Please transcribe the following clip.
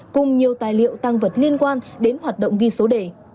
cùng nhiều tài liệu tăng vật liên quan đến hoạt động ghi số đề